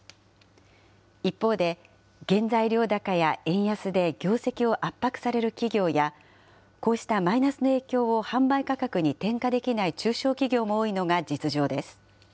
一方で、原材料高や円安で業績を圧迫される企業や、こうしたマイナスの影響を販売価格に転嫁できない中小企業も多いのが実情です。